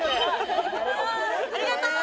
ありがとう！